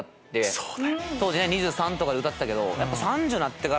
当時２３とかで歌ってたけど。